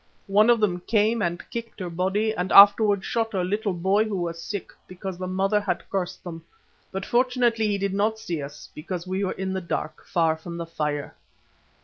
One of them came and kicked her body and afterwards shot her little boy who was sick, because the mother had cursed them. But fortunately he did not see us, because we were in the dark far from the fire."